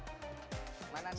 sekarang giliran mulai